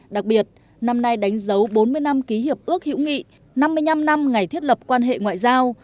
đặc biệt năm nay đánh dấu bốn mươi năm ký hiệp ước hữu nghị năm mươi năm năm ngày thiết lập quan hệ ngoại giao